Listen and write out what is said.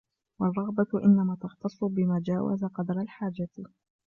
وَالرَّغْبَةُ إنَّمَا تَخْتَصُّ بِمَا جَاوَزَ قَدْرَ الْحَاجَةِ